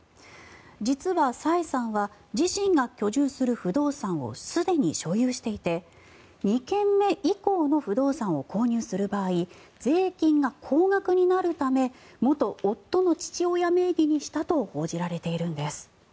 実は、サイさんは自身が居住する不動産をすでに所有していて２軒目以降の不動産を購入する場合税金が高額になるため元夫の父親名義にしたと報じられているんです。